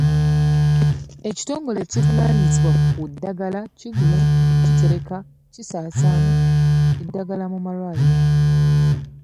Ekitongole ekivunaanyizibwa ku ddagala kigula, kitereka kisaasaanya eddagala mu malwaliro.